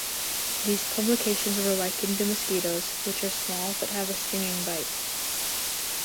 These publications were likened to mosquitoes, which are small but have a stinging bite.